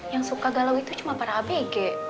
yang suka galau itu cuma para abg